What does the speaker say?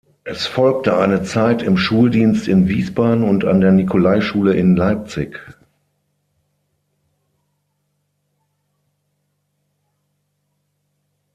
Es folgte eine Zeit im Schuldienst in Wiesbaden und an der Nikolaischule in Leipzig.